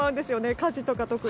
家事とか、特に。